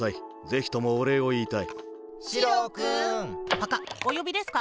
パカッおよびですか？